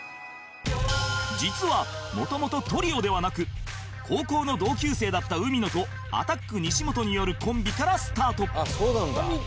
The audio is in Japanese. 実は元々トリオではなく高校の同級生だった海野とアタック西本によるコンビからスタート